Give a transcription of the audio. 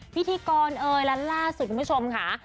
พิธีกรเอยและล่าสุดคุณผู้ชมค่ะ